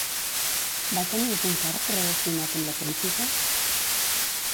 Va tenir algun càrrec relacionat amb la política?